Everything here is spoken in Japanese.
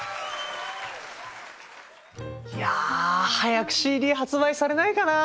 いや早くＣＤ発売されないかなあ！